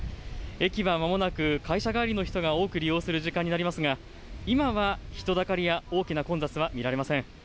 駅はまもなく、会社帰りの人が多く利用する時間になりますが、今は人だかりや大きな混雑は見られません。